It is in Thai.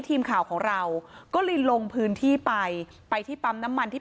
ทีมข่าวของเราก็เลยลงพื้นที่ไปไปที่ปั๊มน้ำมันที่